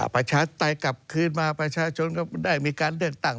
ประชาปไตยกลับคืนมาประชาชนก็ได้มีการเลือกตั้ง